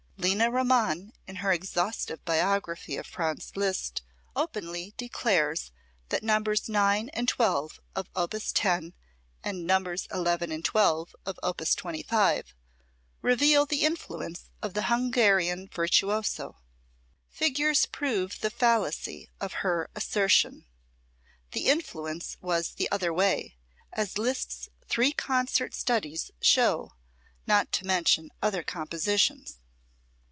Lina Ramann, in her exhaustive biography of Franz Liszt, openly declares that Nos. 9 and 12 of op. 10 and Nos. 11 and 12 of op. 25 reveal the influence of the Hungarian virtuoso. Figures prove the fallacy of her assertion. The influence was the other way, as Liszt's three concert studies show not to mention other compositions.